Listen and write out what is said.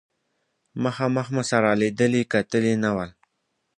مخامخ مو سره لیدلي کتلي نه ول.